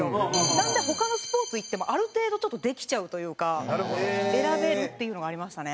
なので他のスポーツいってもある程度ちょっとできちゃうというか選べるっていうのがありましたね。